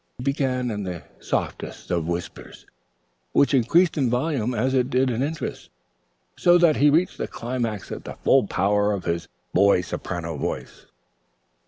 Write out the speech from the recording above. He began in the softest of whispers, which increased in volume as it did in interest, so that he reached the climax at the full power of his boy soprano voice.